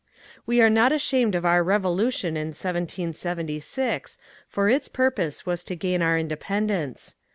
We are not ashamed of our revolution in 1776 for its purpose was to gain our independence.